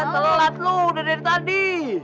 telat lu udah dari tadi